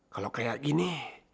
kalau kayak gini